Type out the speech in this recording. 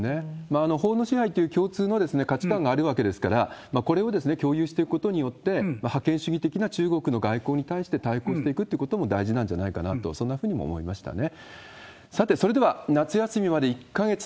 法の支配という共通の価値観があるわけですから、これを共有していくことによって、覇権主義的な中国の外交に対して対抗していくっていうことも大事なんじゃないかなとそんなふうにも思いましたね。